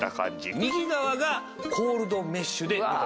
右側がコールドメッシュで寝たとき。